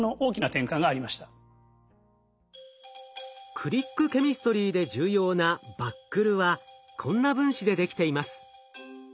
クリックケミストリーで重要なバックルはこんな分子でできています。